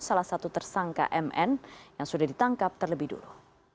salah satu tersangka mn yang sudah ditangkap terlebih dulu